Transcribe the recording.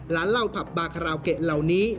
ร้านเหล้าผับบาคาราโอเกะเหล่านี้